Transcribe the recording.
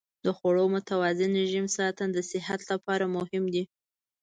د خوړو د متوازن رژیم ساتل د صحت لپاره مهم دی.